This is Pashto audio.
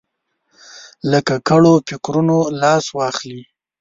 له ککړو فکرونو لاس واخلي.